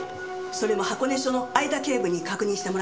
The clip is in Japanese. それも箱根署の会田警部に確認してもらいました。